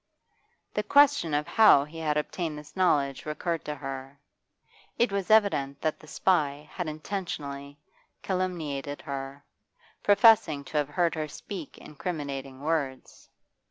The question of how he had obtained this knowledge recurred to her. It was evident that the spy had intentionally calumniated her, professing to have heard her speak incriminating words.